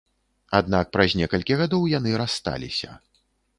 Аднак праз некалькі гадоў яны рассталіся.